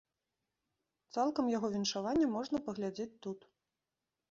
Цалкам яго віншаванне можна паглядзець тут.